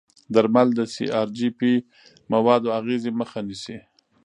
درمل د سی ار جي پي موادو اغېزې مخه نیسي.